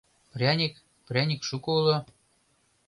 Пряник, пряник шуко уло